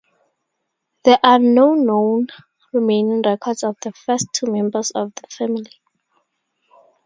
There are no known remaining records of the first two members of the family.